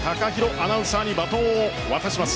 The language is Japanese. アナウンサーにバトンを渡します。